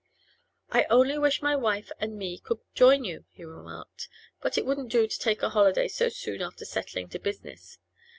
'I only wish my wife and me could join you,' he remarked. 'But it wouldn't do to take a holiday so soon after settling to business.